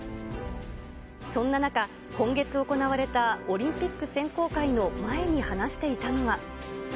そんな中、今月行われたオリンピック選考会の前に話していたのは。